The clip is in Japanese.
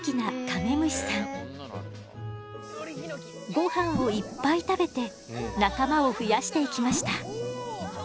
ごはんをいっぱい食べて仲間を増やしていきました。